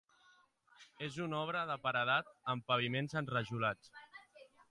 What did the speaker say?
És una obra de paredat amb paviments enrajolats.